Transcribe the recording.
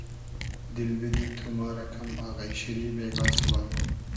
دیل بیدی تو ما رۂ کئم آغݷ شیری بېگا سوبا